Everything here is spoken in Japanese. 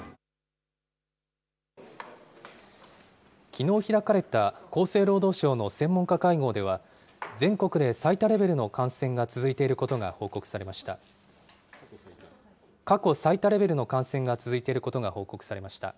きのう開かれた厚生労働省の専門家会合では全国で最多レベルの感染が続いていることが報告されました。